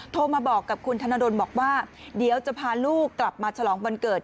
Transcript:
โทรมาบอกกับคุณธนดลบอกว่าเดี๋ยวจะพาลูกกลับมาฉลองวันเกิด